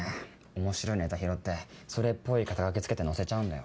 面白いネタ拾ってそれっぽい肩書付けて載せちゃうんだよ。